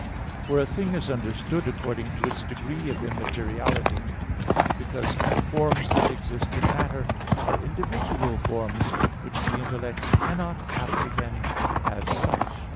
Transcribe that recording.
For a thing is understood according to its degree of immateriality; because forms that exist in matter are individual forms which the intellect cannot apprehend as such.